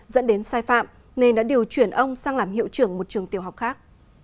dẫn đến sai phạm nên đã điều chuyển ông sang làm hiệu trưởng một trường tiểu học khác